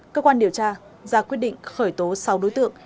cơ quan điều tra ra quyết định khởi tố sáu đối tượng